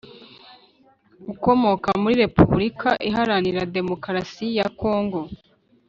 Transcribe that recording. ukomoka muri repubulika iharanira demokarasi ya congo